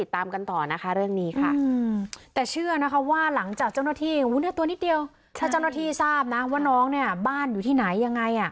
ถ้าเจ้าหน้าที่ทราบนะว่าน้องบ้านอยู่ที่ไหนยังไง